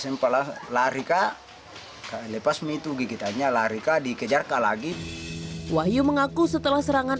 sempatlah lari kah lepas itu gigitannya lari kah dikejar kah lagi wahyu mengaku setelah serangan